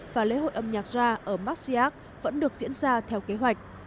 và lễ hội âm nhạc ra ở massiag vẫn được diễn ra theo kế hoạch